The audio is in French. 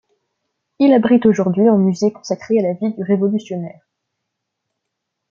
Il abrite aujourd'hui un musée consacré à la vie du révolutionnaire.